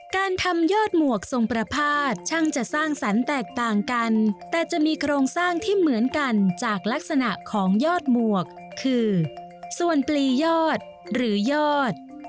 การทำยอดหมวกทรงประพาทช่างจะสร้างสรรค์แตกต่างกันแต่จะมีโครงสร้างที่เหมือนกันจากลักษณะของยอดหมวกคือส่วนปลียอดหรือยอด